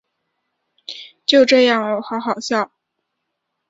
就这样喔好好笑